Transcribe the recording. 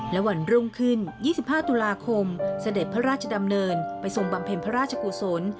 และวันรุ่งขึ้น๒๕ตุลาคมเสด็จพระราชดำเนินไปทรงบำเพ็ญพระราชกุศล